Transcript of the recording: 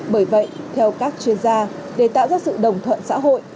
bởi vậy theo các chuyên gia để tạo ra sự đồng thuận xã hội